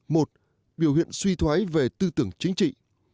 một biểu hiện suy thoái về tư tưởng chính trị